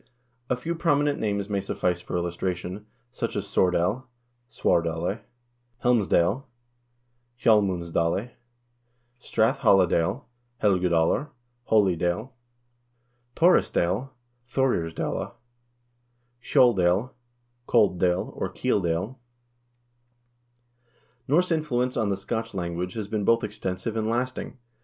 A few prominent names may suffice for illustration, such as Swordale = Sward dale; Helmsdale = Hjalmund's dale; Strath Halladale = helga dalr, 'holy dale'; Tor risdale = porir's dale ; Ceoldale = cold dale, or 'keel' dale." Norse influence on the Scotch language has been both extensive and lasting.